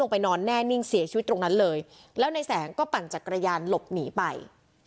ไปนอนแน่นิ่งเสียชีวิตตรงนั้นเลยแล้วในแสงก็ปั่นจักรยานหลบหนีไป